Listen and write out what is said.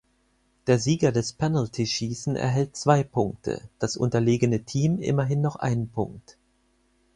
Der Sieger des Penaltyschießen erhält zwei Punkte, das unterlegene Team immerhin noch einen Punkt.